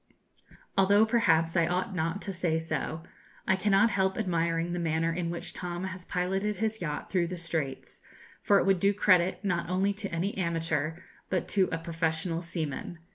Although perhaps I ought not to say so, I cannot help admiring the manner in which Tom has piloted his yacht through the Straits, for it would do credit, not only to any amateur, but to a professional seaman.